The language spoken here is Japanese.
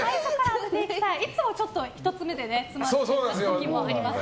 いつもちょっと１つ目でつまずく時もありますよね。